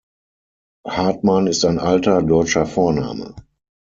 Hartmann ist ein alter deutscher Vorname.